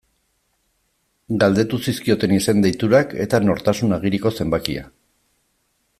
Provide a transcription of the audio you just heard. Galdetu zizkioten izen-deiturak eta nortasun agiriko zenbakia.